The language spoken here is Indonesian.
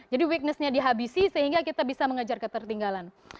jadi weaknessnya dihabisi sehingga kita bisa mengejar ketertinggalan